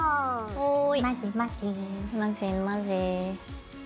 はい。